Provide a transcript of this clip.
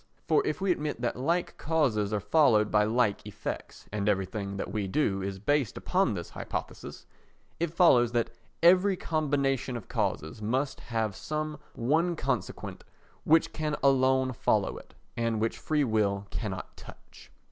For if we admit that like causes are followed by like effects (and everything that we do is based upon this hypothesis), it follows that every combination of causes must have some one consequent which can alone follow it and which free will cannot touch.